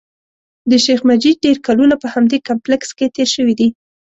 د شیخ مجید ډېر کلونه په همدې کمپلېکس کې تېر شوي دي.